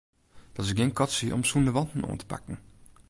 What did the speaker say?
Dat is gjin katsje om sûnder wanten oan te pakken.